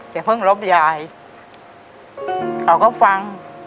เพิ่งรบยายเขาก็ฟัง